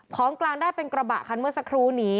ของกลางได้เป็นกระบะคันเมื่อสักครู่นี้